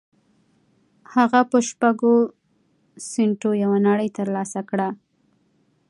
هغه په شپږو سينټو يوه نړۍ تر لاسه کړه.